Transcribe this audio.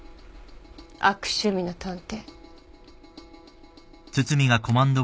悪趣味な探偵。